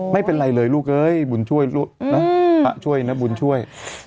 ไม่เป็นไรเลยลูกเลยบุญช่วยตากช่วยนะบุญช่วย